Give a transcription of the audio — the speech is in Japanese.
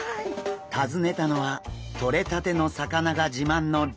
訪ねたのはとれたての魚が自慢の料理店。